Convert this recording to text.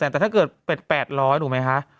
๘๐๐แต่ถ้าเกิด๘๐๐ถูกไหมคะ